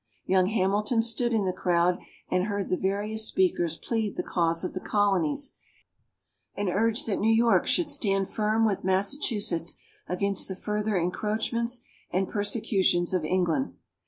Young Hamilton stood in the crowd and heard the various speakers plead the cause of the Colonies, and urge that New York should stand firm with Massachusetts against the further encroachments and persecutions of England.